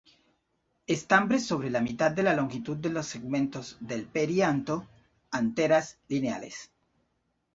Estambres sobre la mitad de la longitud de los segmentos del perianto, anteras lineales.